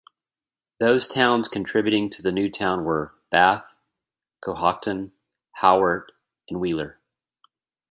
Those towns contributing to the new town were: Bath, Cohocton, Howard, and Wheeler.